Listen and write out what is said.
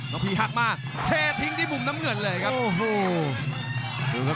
น้องพีฮักมาเททิ้งที่มุมน้ำเหลือเลยครับ